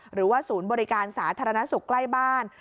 หรือว่าศูนย์บริการสาธารณสุขใกล้บ้าน